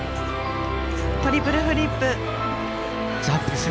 トリプルフリップ。